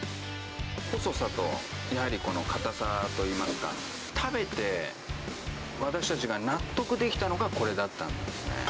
細さと、やはりこの硬さといいますか、食べて私たちが納得できたのがこれだったんですね。